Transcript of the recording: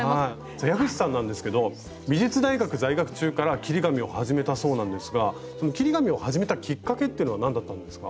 さあ矢口さんなんですけど美術大学在学中から切り紙を始めたそうなんですが切り紙を始めたきっかけっていうのは何だったんですか？